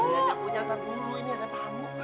ya nyapu nyantar dulu ini ada tamu